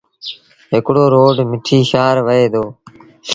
هڪڙوروڊ مٺيٚ شآهر وهي دو۔